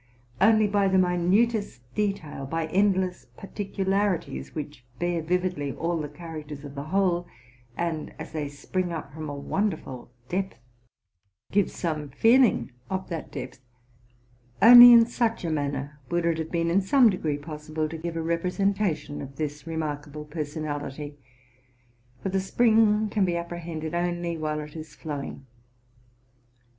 Only by the minutest detail, by end less particularities which bear vividly all the character of the whole, and, as they spring up from a wonderful depth, give some feeling of that depth, —only in such a manner would it have been in some degree possible to give a representation of this remarkable personality ; for the spring can be appre hended only while it is flowing.